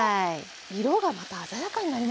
色がまた鮮やかになりましたね。